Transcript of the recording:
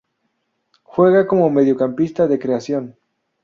Juega como mediocampista de creación.